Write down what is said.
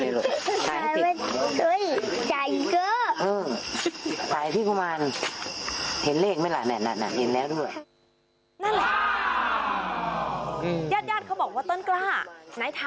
เดี๋ยวไปดูเหตุการณ์กันหน่อยว่าน้องพ่อจะว่าเขาว่าอย่างไรค่ะ